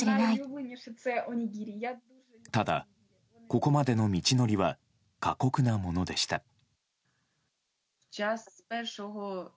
ただ、ここまでの道のりは過酷なものでした。